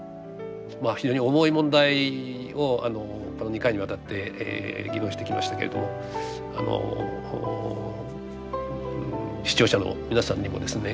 非常に重い問題をこの２回にわたって議論してきましたけれども視聴者の皆さんにもですね